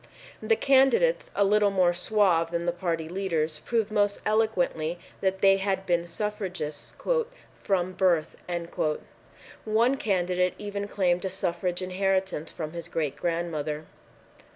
The candidates, a little more suave than the party leaders, proved most eloquently that they had been suffragists "from birth." One candidate even claimed a suffrage inheritance from his great grandmother.